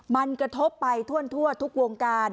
มันกระทบไปทั่วทุกวงการ